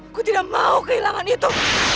aku tidak mau kehilangan itu